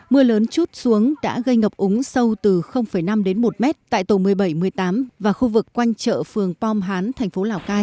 mưa lớn chút xuống đã gây ngập úng sâu từ năm đến một mét tại tổ một mươi bảy một mươi tám và khu vực quanh chợ phường pom hán thành phố lào cai